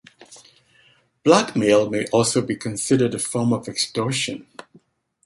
Blackmail may also be considered a form of extortion.